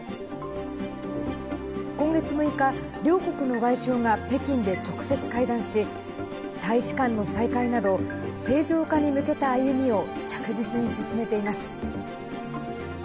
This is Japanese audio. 今月６日、両国の外相が北京で直接会談し大使館の再開など正常化に向けた歩みを着実に進めています。